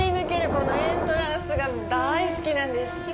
このエントランスが大好きなんです。